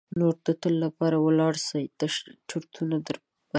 نور د تل لپاره ولاړ سي تش چرتونه در پاتیږي.